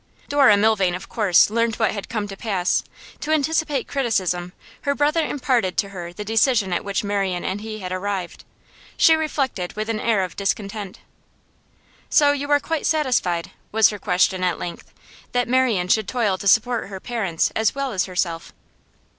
Dora Milvain of course learnt what had come to pass; to anticipate criticism, her brother imparted to her the decision at which Marian and he had arrived. She reflected with an air of discontent. 'So you are quite satisfied,' was her question at length, 'that Marian should toil to support her parents as well as herself?